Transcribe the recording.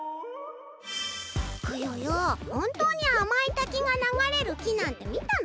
クヨヨほんとうに甘い滝が流れる木なんてみたの？